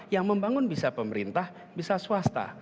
yang membangun bisa pemerintah bisa swasta